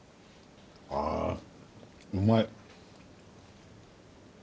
あうまい。